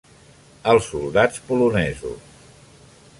Els soldats polonesos.